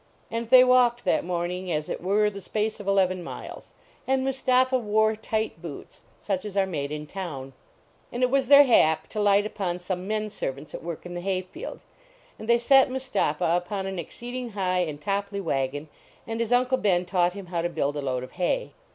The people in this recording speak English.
And they walked that morning as it were the space of eleven miles. And Mustapha wore tight boots, such as are made in town. And it was their hap to light upon some men servants at work in the hay field. And they set Mustapha upon an exceeding high and toppley wagon, and his Uncle Ben taught him how to build a load of hay.